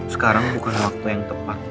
sekarang bukan waktu yang tepat